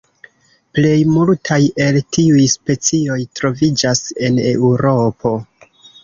Plej multaj el tiuj specioj troviĝas en Eŭropo.